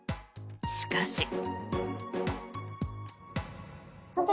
しかし。